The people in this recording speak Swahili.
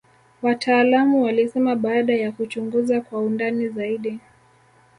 wataalamu walisema baada ya kuchunguza kwa undani zaidi